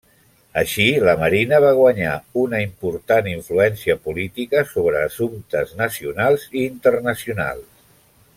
Així, la Marina va guanyar una important influència política sobre assumptes nacionals i internacionals.